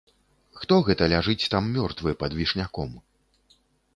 Хто гэта ляжыць там мёртвы пад вішняком?